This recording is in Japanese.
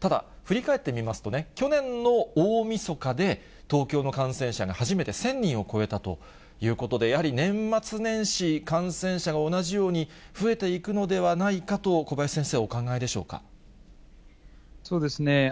ただ、振り返ってみますとね、去年の大みそかで、東京の感染者が初めて１０００人を超えたということで、やはり年末年始、感染者が同じように増えていくのではないかと、小林先生、お考えそうですね。